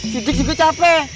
si dik juga capek